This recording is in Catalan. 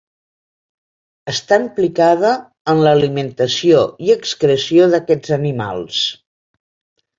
Està implicada en l'alimentació i excreció d'aquests animals.